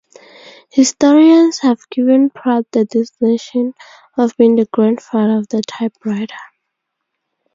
Historians have given Pratt the designation of being the "grandfather" of the typewriter.